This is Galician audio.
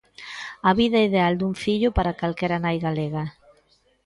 A vida ideal dun fillo para calquera nai galega.